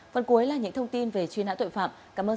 phần cuối là những thông tin về chuyên án tội phạm